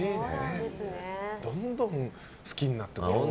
どんどん好きになっていく。